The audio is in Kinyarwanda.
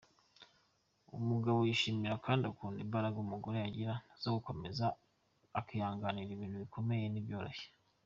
Umugabo yishimira kandi akunda imbaraga umugore agira zo gukomera akihanganira ibintu bikomeye n’ibyoroshye.